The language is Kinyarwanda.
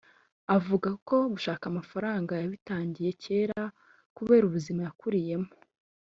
Avuga ko gushaka amafaranga yabitangiye kera kubera ubuzima yakuriyemo